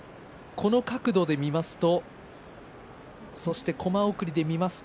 この角度で見ますとそしてコマ送りで見ますと。